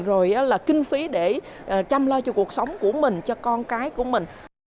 rồi là kinh phí để chăm lo cho cuộc sống của mình cho con cái của mình